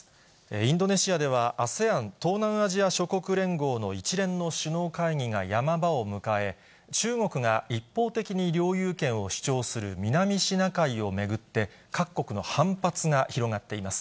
インドネシアではＡＳＥＡＮ・東南アジア諸国連合の一連の首脳会議がヤマ場を迎え、中国が一方的に領有権を主張する南シナ海を巡って、各国の反発が広がっています。